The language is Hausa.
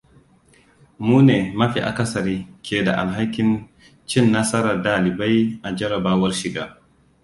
Mu ne, ma fi akasari, ke da alhakin cin nasarar dalibai a jarrabawar shiga.